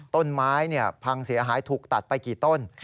ต้นไม้พังเสียหายถูกตัดไปกี่ต้น